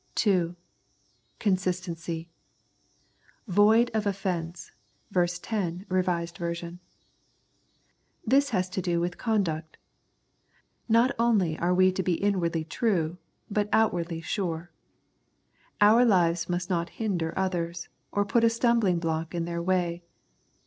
(2) Consistency ;" void of offence " (ver. 10, R.V.). This has to do with conduct. Not only are we to be inwardly true, but outwardly sure. Our lives must not hinder others, or put a stumbling block in their way.